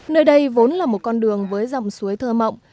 nơi đây vốn là một con đường với dòng suối thơ mộng